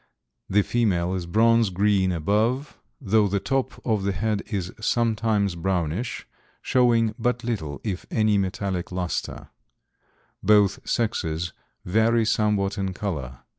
The female is bronze green above, though the top of the head is sometimes brownish, showing but little if any metallic luster. Both sexes vary somewhat in color.